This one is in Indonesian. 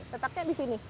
letaknya di sini